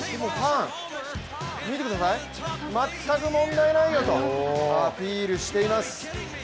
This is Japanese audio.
見てください、全く問題ないよとアピールしています。